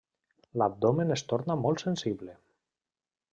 L'abdomen es torna molt sensible.